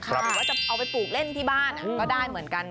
หรือว่าจะเอาไปปลูกเล่นที่บ้านก็ได้เหมือนกัน